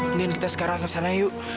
kemudian kita sekarang kesana yuk